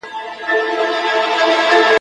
ژوند لکه لمبه ده بقا نه لري !.